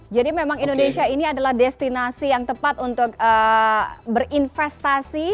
jadi memang indonesia ini adalah destinasi yang tepat untuk berinvestasi